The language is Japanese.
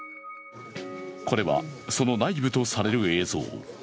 これは、その内部とされる映像。